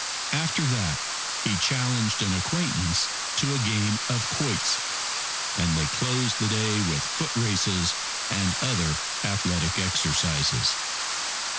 After that he challenged an acquaintance to a game of quoits. And they closed the day with foot races and other athletic exercises.